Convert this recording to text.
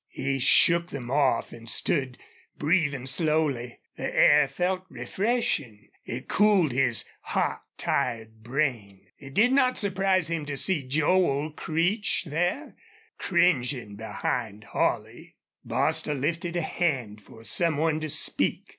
He shook them off and stood breathing slowly. The air felt refreshing; it cooled his hot, tired brain. It did not surprise him to see Joel Creech there, cringing behind Holley. Bostil lifted a hand for some one to speak.